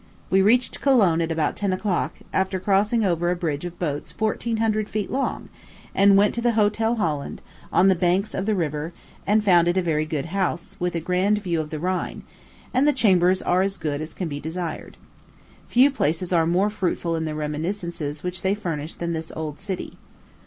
We reached Cologne at about ten o'clock, after crossing over a bridge of boats fourteen hundred feet long, and went to the Hotel Holland, on the banks of the river, and found it a very good house, with a grand view of the Rhine; and the chambers are as good as can be desired. Few places are more fruitful in the reminiscences which they furnish than this old city.